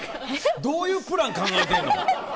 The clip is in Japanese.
どういうプラン考えてんの？